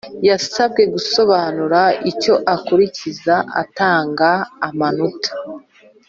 Yasabwe gusobanura icyo akurikiza atanga amanota